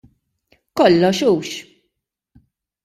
Kollox hux.